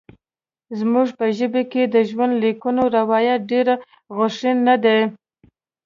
زموږ په ژبه کې د ژوندلیکونو روایت ډېر غوښین نه دی.